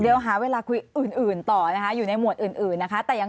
เดี๋ยวหาเวลาคุยอื่นต่อนะคะอยู่ในหมวดอื่นนะคะ